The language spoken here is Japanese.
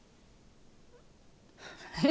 えっ。